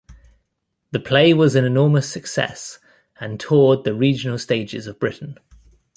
The play was an enormous success and toured the regional stages of Britain.